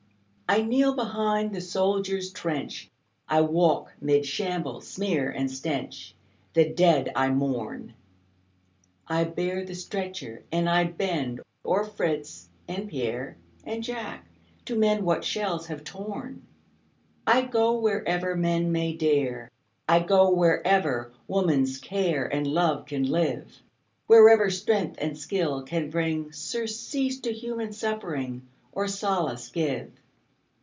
I kneel behind the soldier's trench, I walk 'mid shambles' smear and stench, The dead I mourn; I bear the stretcher and I bend O'er Fritz and Pierre and Jack to mend What shells have torn. I go wherever men may dare, I go wherever woman's care And love can live, Wherever strength and skill can bring Surcease to human suffering, Or solace give.